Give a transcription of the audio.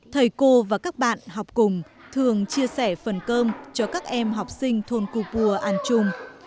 thầy cô và các bạn học cùng thường chia sẻ phần cơm cho các em học sinh thôn cục pua ăn chung